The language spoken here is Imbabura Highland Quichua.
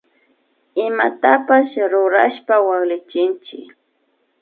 Imatapash rurashpa waklichinchik